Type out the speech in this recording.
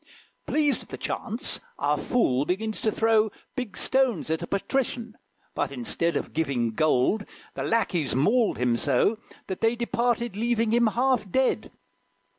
Pleased at the chance, our fool begins to throw Big stones at a patrician; but, instead Of giving gold, the lackeys mauled him so, That they departed leaving him half dead.